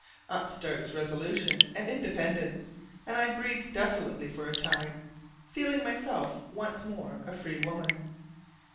Up starts resolution and independence, and I breathe desolately for a time, feeling myself once more a free woman.